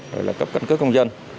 hoặc là cấp căn cứ công dân